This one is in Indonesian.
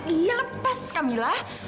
iya lepas kamilah